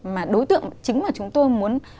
mà đối tượng chính mà chúng tôi muốn